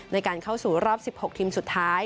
ในการเข้าสู่รอบ๑๖ทีมสุดท้าย